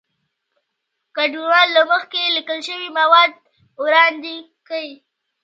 ګډونوال له مخکې لیکل شوي مواد وړاندې کوي.